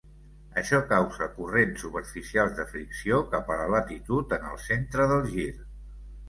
Això causa corrents superficials de fricció cap a la latitud en el centre del gir.